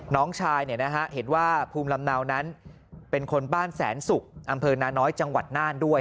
น้องชายเห็นว่าภูมิลำเนานั้นเป็นคนบ้านแสนศุกร์อำเภอนาน้อยจังหวัดน่านด้วย